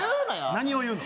何を言うの？